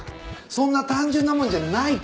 そんな単純なもんじゃないって。